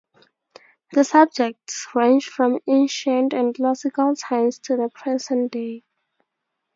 The subjects range from ancient and classical times to the present day.